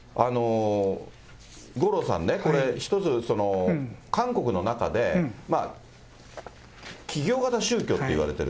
五郎さんね、一つ、韓国の中で、企業型宗教っていわれている。